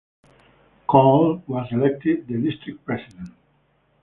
Cole was elected the District president.